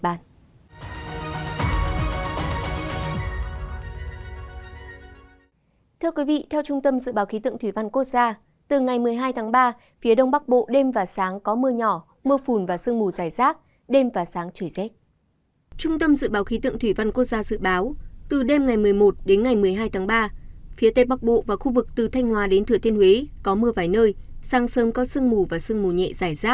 trung tâm dự báo khí tượng thủy văn quốc gia dự báo từ đêm ngày một mươi một đến ngày một mươi hai tháng ba phía tây bắc bộ và khu vực từ thanh hòa đến thừa thiên huế có mưa vài nơi sáng sớm có sương mù và sương mù nhẹ dài rác đêm và sáng trời rét